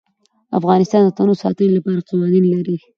افغانستان د تنوع د ساتنې لپاره قوانین لري.